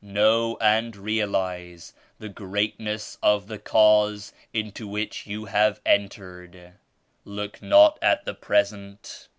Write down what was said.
"Know and realize the greatness of the Cause into which you have entered. Look not at the present.